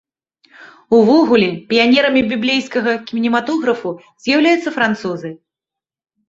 Увогуле, піянерамі біблейскага кінематографу з'яўляюцца французы.